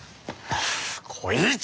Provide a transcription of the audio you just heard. こいつ！